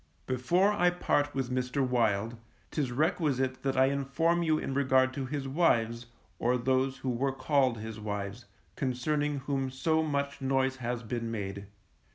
Before I part with Mr. Wild, 'tis requisite that I inform you in regard to his wives, or those who were called his wives, concerning whom so much noise has been made.